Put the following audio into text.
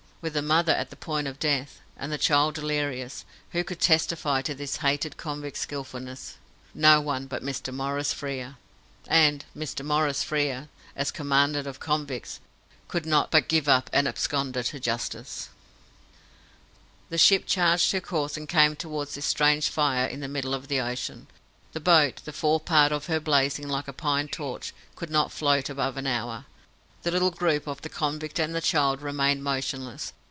With the mother at the point of death, and the child delirious, who could testify to this hated convict's skilfulness? No one but Mr. Maurice Frere, and Mr. Maurice Frere, as Commandant of convicts, could not but give up an "absconder" to justice. The ship changed her course, and came towards this strange fire in the middle of the ocean. The boat, the fore part of her blazing like a pine torch, could not float above an hour. The little group of the convict and the child remained motionless.